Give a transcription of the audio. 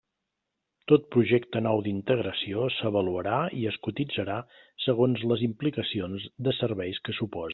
Tot projecte nou d'integració s'avaluarà i es cotitzarà segons les implicacions de serveis que suposi.